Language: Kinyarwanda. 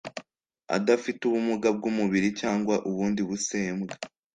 adafite ubumuga bw umubiri cyangwa ubundi busembwa